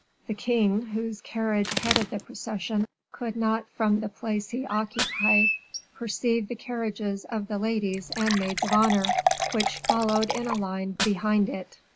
The king, whose carriage headed the procession, could not from the place he occupied perceive the carriages of the ladies and maids of honor, which followed in a line behind it.